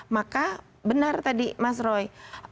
maka benar tadi mas roy